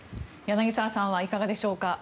柳澤さんはいかがでしょうか。